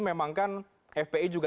memang kan fpi juga